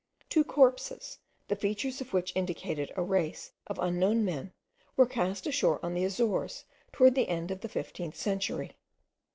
Two corpses, the features of which indicated a race of unknown men, were cast ashore on the Azores, towards the end of the 15th century.